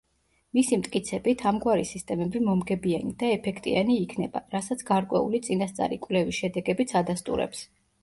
მისი მტკიცებით ამგვარი სისტემები მომგებიანი და ეფექტიანი იქნება, რასაც გარკვეული წინასწარი კვლევის შედეგებიც ადასტურებს.